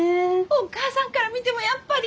お母さんから見てもやっぱり？